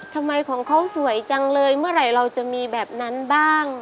ทำไมของเขาสวยจังเลยเมื่อไหร่เราจะมีแบบนั้นบ้าง